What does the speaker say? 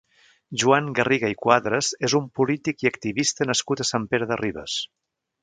Joan Garriga i Quadres és un polític i activista nascut a Sant Pere de Ribes.